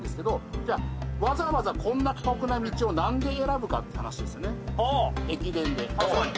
じゃわざわざこんな過酷な道を何で選ぶかって話ですよね駅伝で。